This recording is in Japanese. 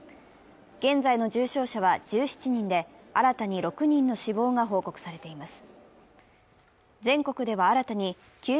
現在の重症者は１７人で、新たに６人の死亡が報告されています。